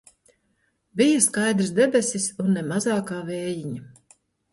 Bija skaidras debesis un ne mazākā vējiņa.